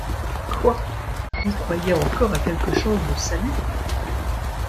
Quoi ! vous croyez encore à quelque chance de salut ?